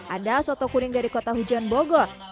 ada soto kuning dari kota hujan bogor